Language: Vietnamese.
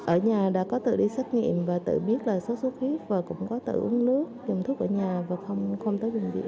ở nhà đã có tự đi xét nghiệm và tự biết là sốt sốt huyết và cũng có tự uống nước dùng thuốc ở nhà và không tới bệnh viện